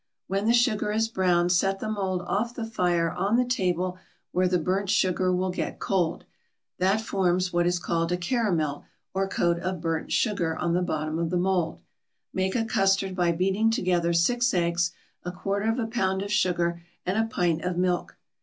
When the sugar is brown set the mould off the fire on the table where the burnt sugar will get cold; that forms what is called a caramel or coat of burnt sugar on the bottom of the mould. Make a custard by beating together six eggs, a quarter of a pound of sugar and a pint of milk.